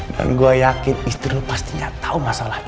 dan gua yakin istri lo pastinya tahu masalah ini